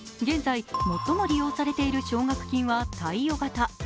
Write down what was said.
現在、最も利用されている奨学金は貸与型。